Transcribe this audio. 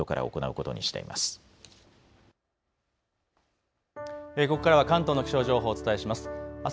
ここからは関東の気象情報をお伝えします。